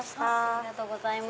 ありがとうございます。